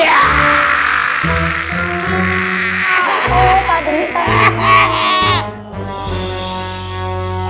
iya pade minta